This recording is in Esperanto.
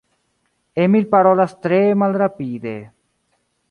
Emil parolas tre malrapide.